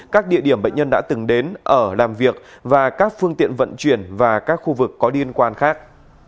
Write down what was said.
các địa điểm bệnh nhân đã từng đến ở làm việc và các phương tiện vận chuyển và các khu vực có liên quan khác